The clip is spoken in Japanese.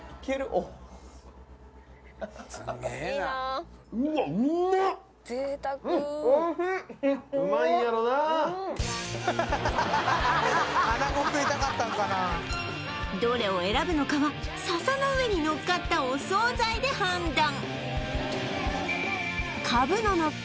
おっうわっどれを選ぶのかは笹の上にのっかったお惣菜で判断